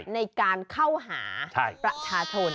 ในการเข้าหาประชาชน